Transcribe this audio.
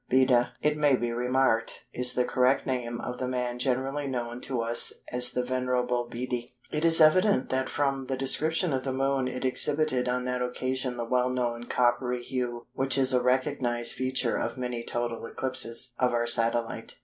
Beda, it may be remarked, is the correct name of the man generally known to us as the "Venerable Bede." It is evident that from the description of the Moon it exhibited on that occasion the well known coppery hue which is a recognised feature of many total eclipses of our satellite.